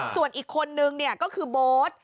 ส่วนอีกคนนึงเนี่ยก็คือโบส